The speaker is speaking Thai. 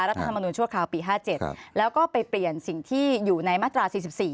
ธรรมนุนชั่วคราวปี๕๗แล้วก็ไปเปลี่ยนสิ่งที่อยู่ในมาตรา๔๔